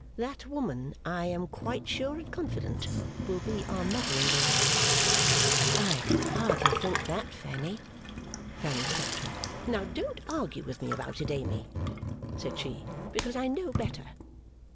That woman, I am quite sure and confident, will be our mother in law.' 'I can hardly think, Fanny ' Fanny stopped her. 'Now, don't argue with me about it, Amy,' said she, 'because I know better.